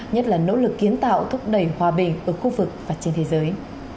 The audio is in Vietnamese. nhất là nỗ lực kiến tạo thúc đẩy hòa bình ở khu vực và trên thế giới